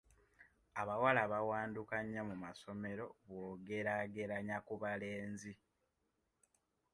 Abawala bawanduka nnyo mu masomero bw'ogeraageranya ku balenzi.